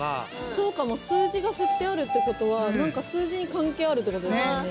そうかも数字が振ってあるってことは何か数字に関係あるってことですもんね。